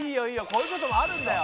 こういうこともあるんだよ。